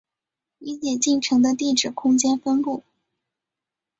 理解进程的地址空间分布